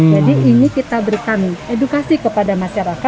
ini kita berikan edukasi kepada masyarakat